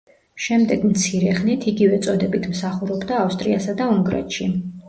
შემდეგ მცირე ხნით იგივე წოდებით მსახურობდა ავსტრიასა და უნგრეთში.